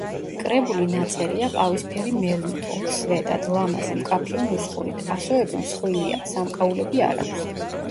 კრებული ნაწერია ყავისფერი მელნით, ორ სვეტად, ლამაზი, მკაფიო ნუსხურით, ასოები მსხვილია, სამკაულები არ აქვს.